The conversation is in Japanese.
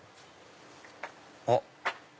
あっ。